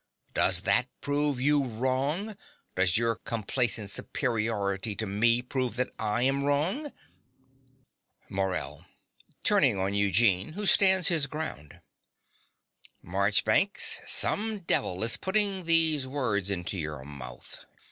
Does that prove you wrong? Does your complacent superiority to me prove that I am wrong? MORELL (turning on Eugene, who stands his ground). Marchbanks: some devil is putting these words into your mouth.